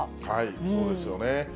そうですよね。